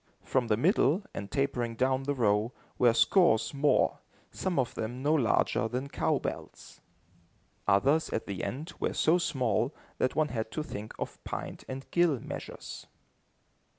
From the middle, and tapering down the row, were scores more, some of them no larger than cow bells. Others, at the end, were so small, that one had to think of pint and gill measures.